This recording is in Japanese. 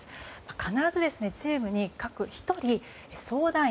必ずチームに各１人、相談員